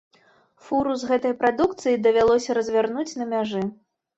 Фуру з гэтай прадукцыяй давялося развярнуць на мяжы.